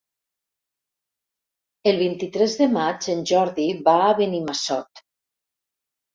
El vint-i-tres de maig en Jordi va a Benimassot.